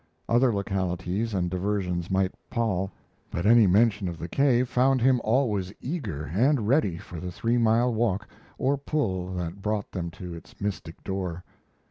Other localities and diversions might pall, but any mention of the cave found him always eager and ready for the three mile walk or pull that brought them to its mystic door.